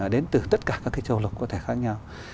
đến từ tất cả các cái châu lục có thể khác nhau